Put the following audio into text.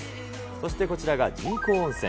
そしてこちらが人工温泉。